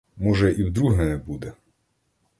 Може, і вдруге не буде.